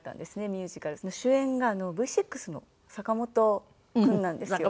ミュージカルその主演がＶ６の坂本君なんですよ。